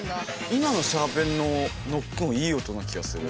今のシャーペンのノック音いい音な気がする。